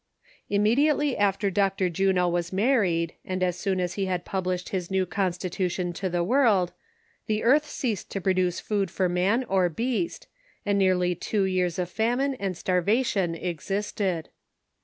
Immediately after Dr. Juno was married, and as soon as he had published his new constitution to the world, the earth ceased to produce food for man or beast, and nearly two years of famine and starvation existed.